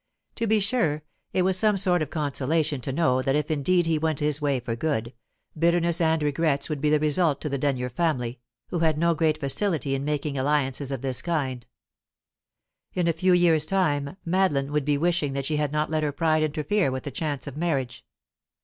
To be sure, it was some sort of consolation to know that if indeed he went his way for good, bitterness and regrets would be the result to the Denyer family, who had no great facility in making alliances of this kind; in a few years time, Madeline would be wishing that she had not let her pride interfere with a chance of marriage.